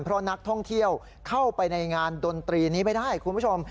เพราะนักท่องเที่ยวเข้าไปในงานดนตรีนี้ไม่ได้คุณผู้ชม